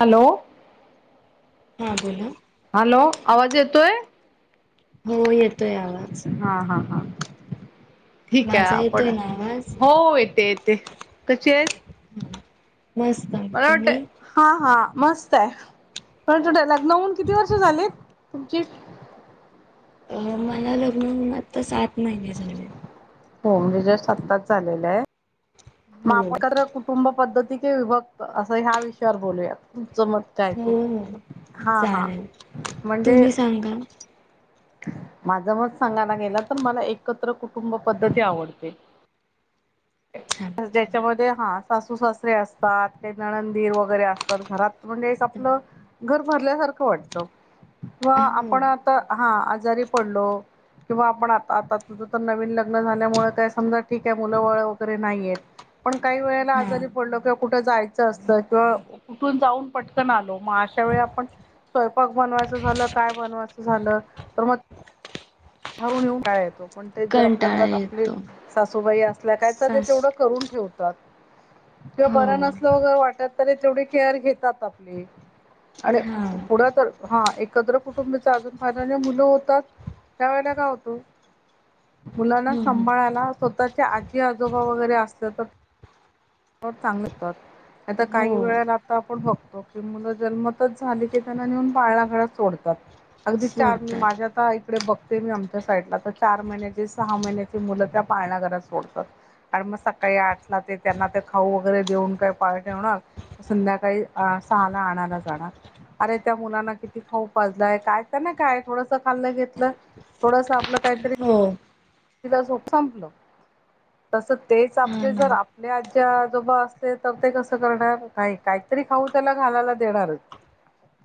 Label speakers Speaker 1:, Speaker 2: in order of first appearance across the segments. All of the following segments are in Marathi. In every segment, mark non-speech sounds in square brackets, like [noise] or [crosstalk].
Speaker 1: हॅलो
Speaker 2: हा बोला
Speaker 1: हॅलो आवाज येतोय
Speaker 2: हो येतोय आला
Speaker 1: हा हा हा ठीक आहे
Speaker 2: माझा
Speaker 1: आपण
Speaker 2: येतोय ना आवाज
Speaker 1: हो येते येते कशी आहे
Speaker 2: हा. मस्त
Speaker 1: मला वाटत
Speaker 2: तुम्ही
Speaker 1: हा हा मस्त आहे पन लग्न होऊन किती वर्ष झालीत तुमची
Speaker 2: अ मला लग्न तर सात महिने झाले
Speaker 1: हो म्हणजे सत्ताच झालेलं आहे
Speaker 2: हो
Speaker 1: मग कुटुंब पद्धती किती विभक्त असं ह्या विषयावर बोलूयात जमत काय
Speaker 2: हो
Speaker 1: ते
Speaker 2: हो
Speaker 1: हा हा
Speaker 2: चालेल
Speaker 1: म्हणजे
Speaker 2: तुम्ही सांगा
Speaker 1: माझं मत सांगायला गेला तर मला एकत्र कुटुंब पद्धती आवडते
Speaker 2: अच्छा
Speaker 1: ज्याच्यामध्ये हा सासू सासरे असतात काही ननंददीर वगैरे वरे असतात घरात म्हणजे आपलं घर भरल्यासारखं वाटत व
Speaker 2: हो
Speaker 1: आपण आता हा आजारी पडलो किंवा आपण आता आता तुझं तर नवीन लग्न झाल्यामुळे काय समजा ठीक आहे मुलं बाळ पन नाही येत पन काही वेळेला
Speaker 2: हा
Speaker 1: आजारी पडलो तर जायचं असत किंवा कुठून जाऊन पटकन आलो मग अशा वेळी आपण स्वयंपाक बनवायचं झालं काय बनवायचं झालं तर मग भरून येऊन टाळा येतो पण ते जर आपल्या
Speaker 2: कंटाळा
Speaker 1: घरात आपली
Speaker 2: येतो
Speaker 1: सासूबाई असल्या काय तर ते
Speaker 2: सास
Speaker 1: तेवढं करून ठेवतात तेिं
Speaker 2: हो
Speaker 1: बरं नसल वगैरे वाटत तरी तेवढी केअर घेतात आपली आणि
Speaker 2: हा
Speaker 1: पुढ तर हा एकत्र कुटुंबाचा अजून फायदा घेऊन मुलं होतात त्यावेेळेला का होतो मुलांना
Speaker 2: हम्म हम्म
Speaker 1: सांभाळायला स्वतः आजी आजोबा वगैरे असत तर चांगतात आता
Speaker 2: हो
Speaker 1: काही वेळेला आता आपण बघतो की मुलं जन्मताच झाली की त्यांना नेऊन पाळणा घरात सोडतात अगदी चार मी
Speaker 2: सोडतात
Speaker 1: माझ्या आता तडे बघते मी आमच्या साईडला तर चार महिन्याचे सहा महिन्याची मुलं त्या पाळण्या घरात सोडतात आणि मग सकाळी आठला ते त्यांना ते खाऊ वगैरे देऊन काही पाळ ठेवणार संध्याकाळी सहाला आणाला जाणार अरे त्या मुलांना किती खाऊ पाजलाय कायत ना काय थोडंसं खाल्लं घेत थोडस आपलं काहीतरी
Speaker 2: हो
Speaker 1: संपलं तस तेच
Speaker 2: हा
Speaker 1: आपले
Speaker 2: ना
Speaker 1: जर आपले आज आजोब असले तर ते कसं करणार नाही काय तरी खाऊ त्याला घालायला देणारच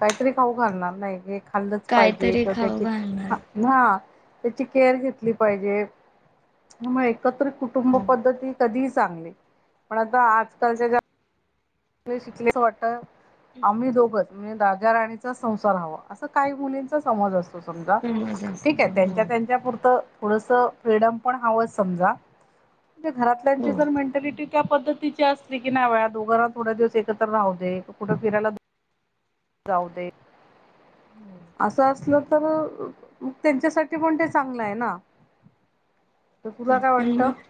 Speaker 1: काहीतरी खाऊ घालणार नाही खाल्लंच पाहिजे
Speaker 2: कायतरी
Speaker 1: किंवा
Speaker 2: खाऊ
Speaker 1: त्याची
Speaker 2: घालणार
Speaker 1: हा त्याची केअर घेतली पाहिजे म एकत्र कुटुंब
Speaker 2: हो
Speaker 1: पद्धती कधीही चांगली पण आता आजकालच्या ज्या शिकलीच वाट आम्ही दोघच म्हणजे राजा राणीचा संसार हवा असं काही मुलींचा समज असतो समजा.
Speaker 2: समज
Speaker 1: ठीक आहे
Speaker 2: असतो हो
Speaker 1: त्यांच्या त्यांच्या पुुरतं थोडस फ्रीडम पण हवं समजा म्हणे
Speaker 2: हो
Speaker 1: घरातल्याची जर मेंटॅलिटी त्या पद्धतीची असली की नाही वळा दोघ थोडा दिवस एकत्र राहू दे कुठे फिरायला जाऊ दे असं असलं तर त्यांच्यासाठी पण ते चांगलं आहे ना [inaudible] तर तुला काय
Speaker 2: पण
Speaker 1: वाटतं
Speaker 2: मग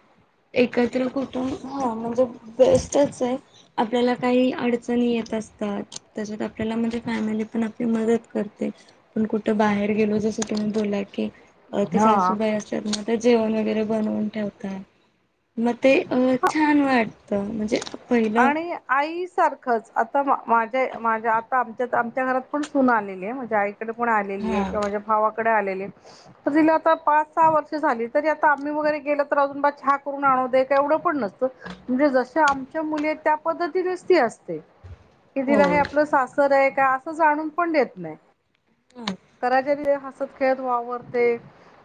Speaker 2: एकत्र कुटुं हा म्हणजे बेस्टच आहे. आपल्याला काही अडचणी येत असतात त्याच्यात आपल्याला म्हणजे फॅमिली पण आपली मदत करते. पण कुठं बाहेर गेलो जस तुम्ही बोला की ते
Speaker 1: हा
Speaker 2: सासूबाई असतात ना ते जेवण वगैरे बनवून ठेवतात. मग ते अ छान वाटत म्हणजे पहिलं
Speaker 1: आणि आईस सारखंच आता माझ्या, माझ्या आता आमच्या आमच्या घरात पण सून आलेली आहे माझ्या आ डे आलेली
Speaker 2: हा
Speaker 1: आहे कि माझ्या भावा कडे आलेली तर या आता पाच -सहा वर्ष झाली त आता आम्ही वैगेरे गेल तर अजून चहा करून आणून एवढ पण नसतं म्हणजे जसे आम् र मुली आहेत त्या पद्धतीने ती असते की
Speaker 2: हो.
Speaker 1: तिला हे आपलं सासर आहे. का असं जाणून पण देत नाही
Speaker 2: हा
Speaker 1: कराच्यारी ते हसत खेळत वावरते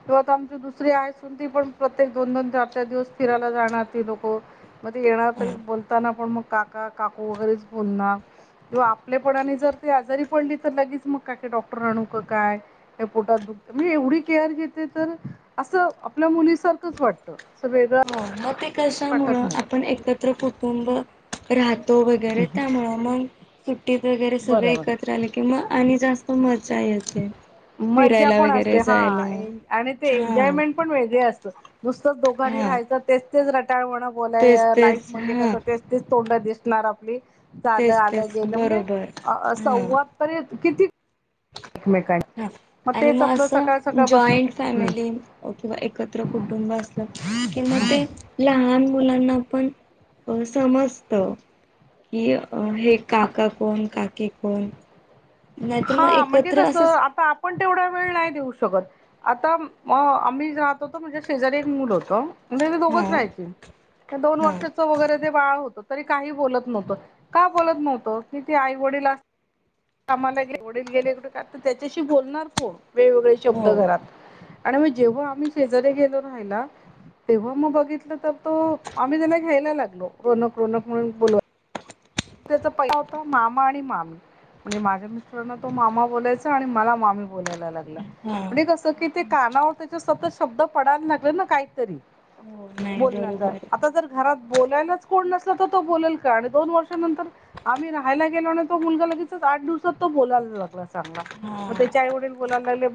Speaker 1: किं आमची दुसरी आहे सून ती पण प्रत्येक दोन दोन चार चार दिवस फिरायला जाणार ती लोकं मग येणार तरी
Speaker 2: हा.
Speaker 1: बोलताना पण मग काका, काकू वगैरेच बोलणार. आपल्यापणाने जर त आजारी पडली तर लगेच मग का डॉक्टर आणू काय पोटात ब म्हणजे एवढी केअर घेते तर असं आपल्या मुलीसारखंच वाट वाटत अस वेग
Speaker 2: हो मग ते कशा मुळे आपण एकत्र कुटुंब राहतो. तो वगैरे त्यामुळं मग सुट्टीत वगैरे सगळे
Speaker 1: बरोबर
Speaker 2: एकत्र आले कि मग आणि जास्त खूप मजा येते
Speaker 1: मज्जा
Speaker 2: फिरायला
Speaker 1: पण
Speaker 2: वगैरे
Speaker 1: असते हा,
Speaker 2: जायला
Speaker 1: आणि ते
Speaker 2: हा
Speaker 1: एन्जॉयमेंट पण वेगळे असतं नुसतच दोघांनी
Speaker 2: हा
Speaker 1: राहायच तेस तेच रटाळ म्हण बोलाय
Speaker 2: तेच
Speaker 1: लाईट
Speaker 2: तेच
Speaker 1: म्हणजे
Speaker 2: हा
Speaker 1: कसं तेस तेच तोंड दिसणार आपली लं
Speaker 2: तेच
Speaker 1: आलं
Speaker 2: तेच
Speaker 1: गेलं म्हणजे
Speaker 2: बरोबर
Speaker 1: अ
Speaker 2: हा
Speaker 1: सव्वाद पर्यंत किती काय
Speaker 2: हा आणि मग असं जॉईंट फॅमिली किंवा एकत्र कुटुंब असलं की म ते
Speaker 1: हम्म
Speaker 2: लहान मुलांना पण समजत की अ हे काका कोण, काकी कोण नाहीतर मग
Speaker 1: हा म्हणजे
Speaker 2: एकत्र
Speaker 1: कसं
Speaker 2: असंच
Speaker 1: आता. पणं तेवढा वेळ नाहीं देऊं शकतं आता आम्हीं जातो. म्हणजे, शेजारी एक मुल होतं म्हते
Speaker 2: हा
Speaker 1: दोघंच राहायचे दोन
Speaker 2: हा
Speaker 1: वर्षाच वगैरे ते बाळ होतं. तरी कांहीं बोलतं नव्हतं का बोलतं नव्हतं की ते आई वडील आम्हांला वडील गेले तर त्यांच्याशी बोलणारं कोण वेगवेगळे शब्द
Speaker 2: हो
Speaker 1: घरात आणि मंग जेंव्हा आम्हीं शेजारी गेलो राहाला तेंव्हा मंग बघितलंय तर तो आम्हीं त्याला घ्यायला लागलो रोनक, रोनक म्हणून बोल त्यांचा पहिला शब्द होता मामा आणि मामी म्हणजे माझ्या मिस्टरांना तो मामा बोलायचा आणि मला मामी बोलायला लागला
Speaker 2: हा
Speaker 1: म्हणजे कसं की त्यांच्या कानांवर सतत शब्द पडायला लागले ना कांहीं तरी
Speaker 2: हो नाही
Speaker 1: बोलण
Speaker 2: बरोबर
Speaker 1: आता जर घरात बोलायलाच कोणी नस तो बोलल का आणि दोन वर्षं यांच्या नंतर आम्ही राहायला गेलो आणि तो मुलगा लगेच आठ दिवसांत तो बोलायला लागला. चांगला
Speaker 2: हा
Speaker 1: मंग त्याचे आई वडील बोलाय लागले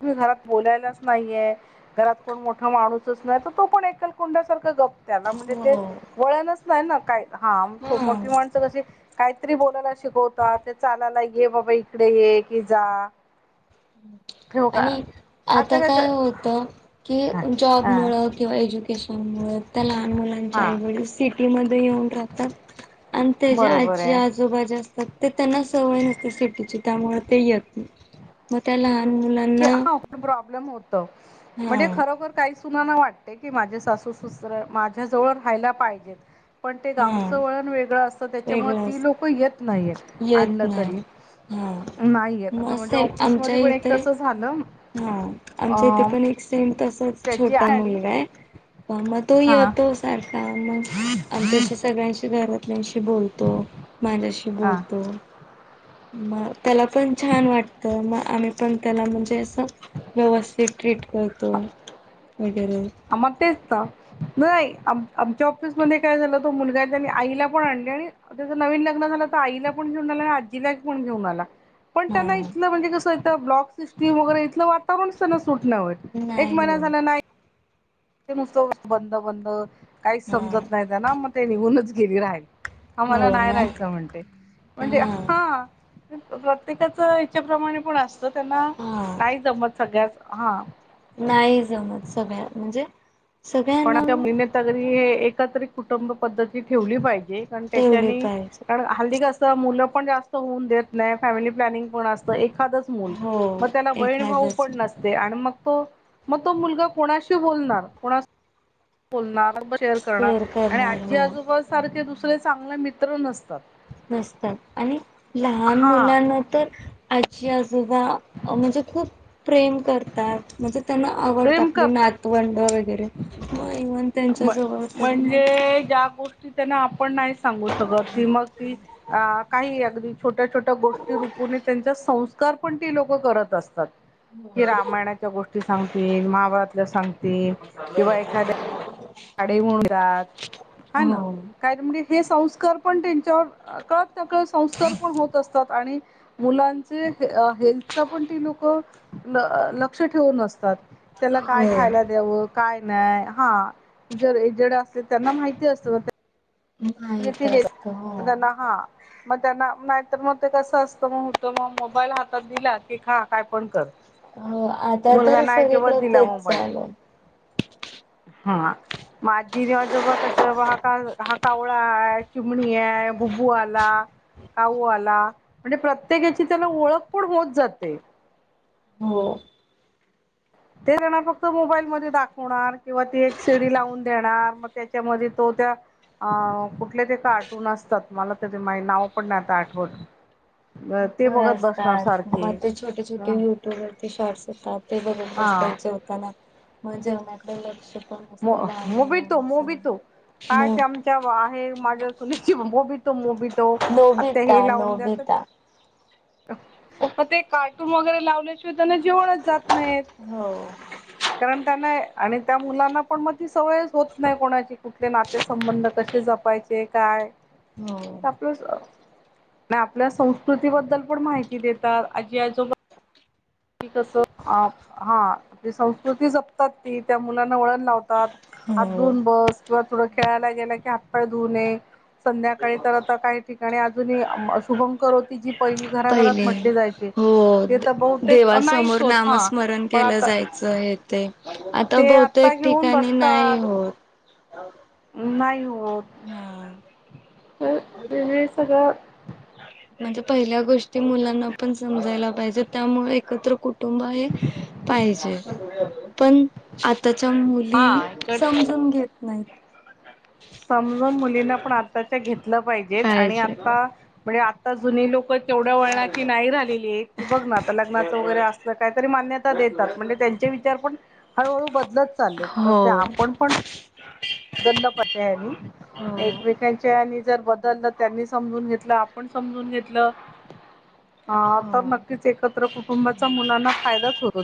Speaker 1: तुम्हीं घरांत बोलायलाच नाहीये घरांत कोण मोठ माणूसच नाही तर तो पणं एकल कुंड्यासारखं गप्प त्याला म्हणजे ते
Speaker 2: हो
Speaker 1: वळणच नाहीं ना काय हा मोठी माणसं कशी काहीतरी बोलायला शिकवतात, ते चालायला ये बाबा इकडे ये कि जा.
Speaker 2: हम्.
Speaker 1: ठेवू का
Speaker 2: आणि आता काय होतं
Speaker 1: हां
Speaker 2: की जॉब
Speaker 1: हां
Speaker 2: मुळं किंवा एजुे शांमुळे त्या लहान मुलांच्या
Speaker 1: हां
Speaker 2: आईवडिल सिटी मध्ये. ते ईऊन राहातं आणि त्या
Speaker 1: बरोबर
Speaker 2: आजी
Speaker 1: आहे
Speaker 2: आजोबां ते त्यांना सवय असते सिटीची त्यामुळें ते येतात मंग त्याला
Speaker 1: हा प्रॉब्लेम होतं म्हणजे
Speaker 2: हा
Speaker 1: खरोखर काहींचं कुणाला वाटतें की माझे सासू सासरे माझ्या जवळ राहायला पाहिजेत. पणं ते
Speaker 2: हा
Speaker 1: गावचं वळणं वेगळं असतं त्यांच्यामुळे
Speaker 2: वेगळं
Speaker 1: ती
Speaker 2: अस
Speaker 1: लोक येतं नाहीं आहेत
Speaker 2: येत
Speaker 1: आणलं तरी.
Speaker 2: नाही हा
Speaker 1: नाही येत आता
Speaker 2: मग
Speaker 1: म्हणजे
Speaker 2: सेम
Speaker 1: ऑफिस
Speaker 2: आमच्या
Speaker 1: मध्यें पणं
Speaker 2: इथे
Speaker 1: एकदाच झालं.
Speaker 2: हा आमच्या
Speaker 1: अ
Speaker 2: इथे पणं एक सेंम तसाच
Speaker 1: त्याची
Speaker 2: छोटासा
Speaker 1: आई आली
Speaker 2: मुलगा आहे. पणं मंग तो
Speaker 1: हा
Speaker 2: येतो सारखा मंग आमच्या सगळ्यांच्या घरातल्यांशी बोलतो माझ्याशी
Speaker 1: हा.
Speaker 2: बोलतो म त्याला पणं छान वाटत मंग आम्हीं पणं त्याला म्हणजे असं व्यवस्थित ट्रीट करतो. वगैरे
Speaker 1: अ मंग तेच त नाही आमच्या ऑफिसमध्ये काय झाल तो मुलगा आपल्या आईला पणं आणल आणि त्याचं नवीन लग्नं झालं आईला पणं घेऊन आला आणि आज्जीला पणं घेऊन आला. पणं
Speaker 2: हा
Speaker 1: त्यांनां इथलं म्हणजे कसंं ब्लॉक सिस्टीम्स वगैरे इथलं वातावरणत सुटना होय एक
Speaker 2: नाही
Speaker 1: महिना
Speaker 2: हो
Speaker 1: झाला नाहीं ते नुस्तं बंद बंद काहींचं
Speaker 2: हा
Speaker 1: समजतं नाहीं त्या ना मंग ते निघूनच गेलीं रागायला. आम्हांला
Speaker 2: हो
Speaker 1: नाहीं
Speaker 2: ना
Speaker 1: राहायचं म्हणते म्हणते हा. प्रत्येकाचं इच्छच्याप्रमाणे पणं असतं त्यांनां
Speaker 2: हा
Speaker 1: नाहीं जमतं सगळ्यांचं हा
Speaker 2: नाही जमत सगळ्या म्हणजे
Speaker 1: पणं आता
Speaker 2: सगळ्यांना
Speaker 1: महिनेतगरी हे एकत्रित कुटुंब पद्धती ठेवली पाहिजे. हे पणं
Speaker 2: ठेवली
Speaker 1: त्यांच्यानी
Speaker 2: पाहिजे
Speaker 1: कारणं हल्ली मुलं पणं जास्तं होऊन देतं नाहीं फॅमिली प्लॅनिंग पणं असतं. एखादच मूल
Speaker 2: हो
Speaker 1: मंग त्यांना बहीण भाऊ
Speaker 2: एखादच
Speaker 1: पणं नसते आणि मग तो मग तो मुलगा कोणाशी बोलणारं, कोणाशी बोलणारं शेअर करणारं आणि
Speaker 2: करणार
Speaker 1: आजी
Speaker 2: हो
Speaker 1: आजोबांन सारखे दुसरें चांगलें मित्रं सुद्धा नसतात.
Speaker 2: नसतात. आणि लहान
Speaker 1: हा
Speaker 2: मुलांना तर आजी आजोबा म्हणजे खूप प्रेम करतात म्हणजे त्यांना आवडतां
Speaker 1: प्रेम
Speaker 2: आपली
Speaker 1: करतात
Speaker 2: नातवंडं वगैरे मंग इव्हन त्यांच्यासोबत मग
Speaker 1: त्या गोष्टी आपण त्यांना नाही सांगू शकत, ती माग ती काही अगदी छोट्या छोट्या गोष्टी रुपून त्यांचा संस्कारी पणं ती लोकं करत असतात. कि रामायणाच्या गोष्टी सांगतील, महाभारतल्या सांग
Speaker 2: [unintelligible]
Speaker 1: काडे म्हणतात हा
Speaker 2: हो.
Speaker 1: ना काय म्हणजे हे संस्कार पण त्यांच्यावर कळत नकळत संस्कार पण होत असतात आणि मुलांचे हेल्थ पण ते लोक लक्ष ठेवून असतात. त्याला काय
Speaker 2: हो
Speaker 1: खायला द्यावं? काय नाही? हा. ज जडे असले त्यांना माहिती असत. त
Speaker 2: माहित असत
Speaker 1: मग
Speaker 2: हो.
Speaker 1: त्यांना हा मग त्यांना तर मग ते कसं असतं मग होत मग मोबाईल हातात दिला की खा काय पण कर.
Speaker 2: हो आता
Speaker 1: मुलगा
Speaker 2: तर
Speaker 1: नाही जेवला,
Speaker 2: सगळीकडे
Speaker 1: दिला
Speaker 2: तेच
Speaker 1: मोबाईल.
Speaker 2: चालू आहे.
Speaker 1: हा. अजी आजोबा कस हा का हा कावळा आहे, चिमणी आहे, बुबू आला. काऊ आला म्हणजे प्रत्येकाची त्याला ओळख पण होत जाते.
Speaker 2: हो
Speaker 1: ते जाणार फक्त मोबाईल म दाखवणार किंवा ती एक सीडी लावून देणार मग त्याच्यामध्ये तो अ कुठल्या ते का कार्टून असतात मला त्या मा नाव पण नाही आता आठवत बर
Speaker 2: र असतात मग ते छोटे छोटे युट्यूब वरचे शॉर्ट्स येतात ते बघत बसता
Speaker 1: हा
Speaker 2: जे होताना मग जेवण्याकडे लक्ष पण नसतं लहान
Speaker 1: मोबी तो मोबी
Speaker 2: मुलांचं
Speaker 1: तो
Speaker 2: मो
Speaker 1: काय आमच्या आहे माझ्या सुनेची मो भी तो मोब तो आता हे
Speaker 2: नोबिता
Speaker 1: लावून द्या ते
Speaker 2: नोबिता
Speaker 1: मग ते कार्टून वगैरे लावल्याशिवाय त्यांना जेवणच जात
Speaker 2: हो
Speaker 1: नाही आणि त्या मुलांना पण मग ती सवय होत नाही कोणाची कुठले नातेसंबंध कसे जपायचे काय
Speaker 2: हो
Speaker 1: आप आपल्या संस्कृतीबद्दल कोण माहिती देतात आजी आजोबा कस हा आपली संस्कृती जपतात ती त्या मुलांना वळण लावतात हात
Speaker 2: हो
Speaker 1: धुून बस किंवा थोडं खेळायला गेला की हात पाय धुऊ नये संध्याकाळी तर आता काही ठिकाणी अजून शुभंकर होती जी पहिली घराघरात
Speaker 2: पहिले
Speaker 1: म्हटली जायची.
Speaker 2: हो
Speaker 1: ते तर बहुतेक नाहीच
Speaker 2: देवासमोर
Speaker 1: होत हा
Speaker 2: नामस्मरण
Speaker 1: पण
Speaker 2: केलं
Speaker 1: आता
Speaker 2: जायचं हे ते आता
Speaker 1: ते
Speaker 2: बहुतेक
Speaker 1: घेऊन
Speaker 2: ठिकाणी नाही
Speaker 1: बसतात
Speaker 2: होत
Speaker 1: नाही होत
Speaker 2: हा
Speaker 1: तर वेळी सगळं
Speaker 2: म्हणजे पहिल्या गोष्टी मुलांना पण समजायला पाहिजे त्यामुळे एकत्र कुठ कुु हे पाहिजे पण त्याच्या मुली
Speaker 1: हा इकड
Speaker 2: समजून घेत नाही
Speaker 1: समजून मुलींना पण आताच्या घेतलं पाहिजेत आणि
Speaker 2: पाहिजे
Speaker 1: आता म्हणजे ता जुनी लोक तेवढ वळणाची नाही रालेली की बघ ना आता लग्नाच वगैरे अस का तरी मान्य देतात म्हणजे त्यां विचार पण हळूहळू बदलत चालले तर ते
Speaker 2: हो
Speaker 1: आपण पण बदललं पाहिजे
Speaker 2: हो
Speaker 1: एकमेकांच्या जर बदललं त्यांनी समजून घेतलं समजून घेतलं हा तर
Speaker 2: हो
Speaker 1: नक्कीच एकत्र कुटुंबाच्या मुलांना फायदाच होतो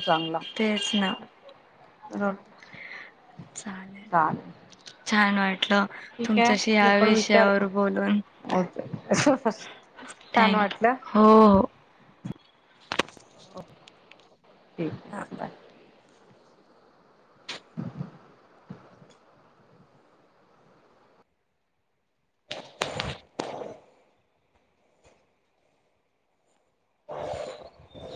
Speaker 2: तेच ना
Speaker 1: ह
Speaker 2: चालेल छानटल
Speaker 1: ठीक आहे
Speaker 2: तुमच्याशी ह्या
Speaker 1: मी पण विचार
Speaker 2: विषयावर बोलून
Speaker 1: छान
Speaker 2: थँकू हो हो
Speaker 1: ओके ठीक
Speaker 2: हा.
Speaker 1: आहे बाय
Speaker 2: [unintelligible]